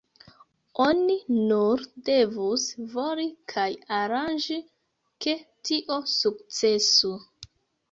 Oni nur devus voli kaj aranĝi, ke tio sukcesu.